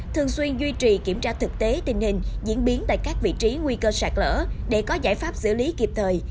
thường xuyên duy trì kiểm tra thực tế tình hình diễn biến tại các vị trí nguy cơ sạt lỡ để có giải pháp xử lý kịp thời